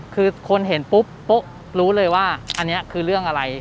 คือคนเห็นปุ๊บปุ๊บรู้เลยว่าอันนี้คือเรื่องอะไร